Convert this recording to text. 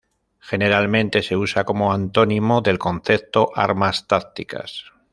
Generalmente se usa como antónimo del concepto armas tácticas.